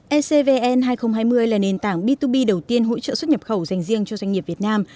ecvn hai nghìn hai mươi là nền tảng b hai b đầu tiên hỗ trợ xuất nhập khẩu dành riêng cho doanh nghiệp việt nam